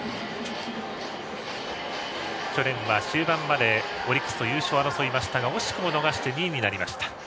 去年は終盤までオリックスと優勝を争いましたが惜しくも逃して２位になりました。